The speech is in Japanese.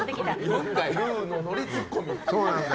ルーのノリツッコミ。